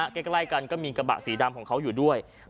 ใกล้กันก็มีกระบะสีดำของเขาอยู่ด้วย